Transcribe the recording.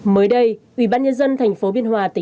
mới đây ubnd tp bh tỉnh đồng tây